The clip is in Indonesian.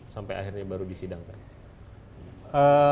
sampai akhirnya baru disidangkan